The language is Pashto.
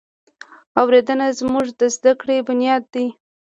اورېدنه زموږ د زده کړې بنیاد دی.